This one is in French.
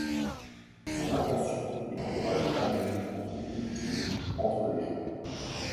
Son intention est d'encourager l'harmonie entre les cultures, entre les gens.